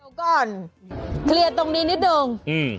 เดี๋ยวก่อนเคลียร์ตรงนี้นิดนึง